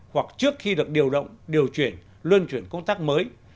hoặc trước khi được điều động điều chuyển luân chuyển công tác mới